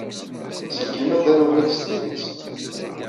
Aselkim-a d arurad s tidet.